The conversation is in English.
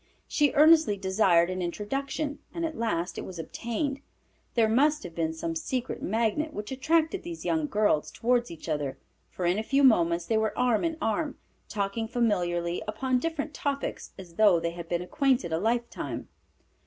She earnestly desired an introduction, and at last it was obtained. There must have been some secret magnet which attracted these young girls toward each other, for in a few moments they were arm in arm, talking familiarly upon different topics as though they had been acquainted a lifetime.